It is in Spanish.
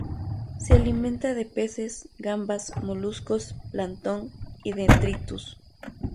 Se alimenta de peces, gambas, moluscos, plancton y detritus.